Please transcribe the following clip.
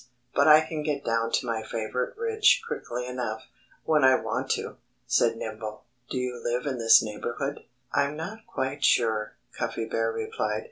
But I can get down to my favorite ridge quickly enough, when I want to," said Nimble. "Do you live in this neighborhood?" "I'm not quite sure," Cuffy Bear replied.